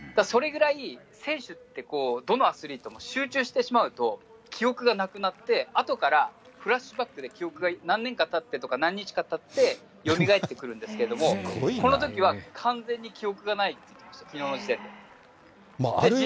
それぐらい、選手って、どのアスリートも集中してしまうと、記憶がなくなって、あとからフラッシュバックで記憶が何年かたってとか、何日かたって、よみがえってくるんですけど、このときは、完全に記憶がないって言ってました、きのうの時点で。